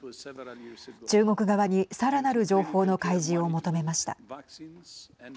中国側にさらなる情報の開示を求めました。